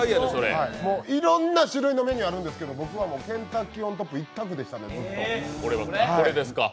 いろんな種類のメニューがあるんですけど僕はケンタッキーＯｎＴｏｐ一択でしたね、ずっと。